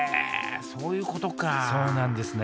そういうことかそうなんですね